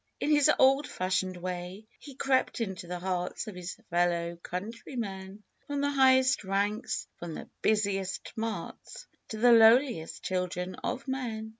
In his old fashioned way, he crept into the hearts Of his fellow countrymen, From the highest ranks, from the busiest marts. To the lowliest children of men.